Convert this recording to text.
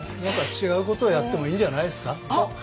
何か違うことをやってもいいんじゃないですか。